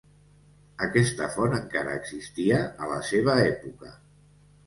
Aquesta font encara existia a la seva època.